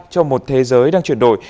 cho một thế giới đang chuyển đổi